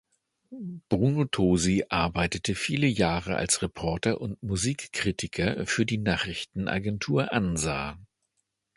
Bruno Tosi arbeitete viele Jahre als Reporter und Musikkritiker für die Nachrichtenagentur Ansa.